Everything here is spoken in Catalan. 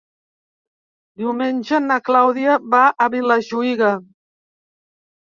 Diumenge na Clàudia va a Vilajuïga.